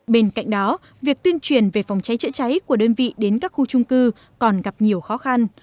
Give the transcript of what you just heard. bên cạnh đó việc tuyên truyền về phòng cháy chữa cháy của đơn vị đến các khu trung cư còn gặp nhiều khó khăn